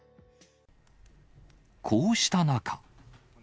こうした中。